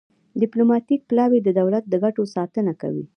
ډیپلوماتیک پلاوی د دولت د ګټو ساتنه کوي